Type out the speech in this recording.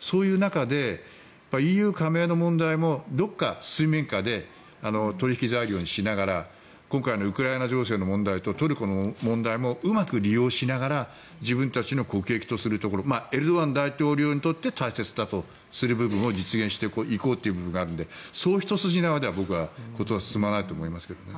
そういう中でＥＵ加盟の問題もどこか水面下で取引材料にしながら今回のウクライナ情勢の問題とトルコの問題もうまく利用しながら自分たちの国益とするところエルドアン大統領にとって大切だとする部分を実現していこうという部分があるのでそう一筋縄では事が進まないと思いますけどね。